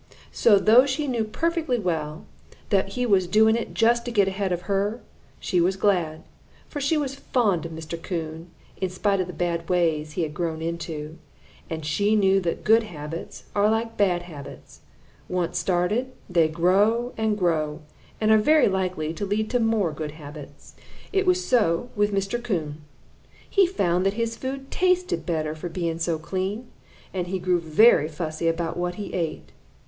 So, though she knew perfectly well that he was doing it just to get ahead of her, she was glad, for she was fond of Mr. Coon in spite of the bad ways he had grown into, and she knew that good habits are like bad habits once started they grow and grow, and are very likely to lead to more good habits. "It was so with Mr. Coon. He found that his food tasted better for being so clean, and he grew very fussy about what he ate.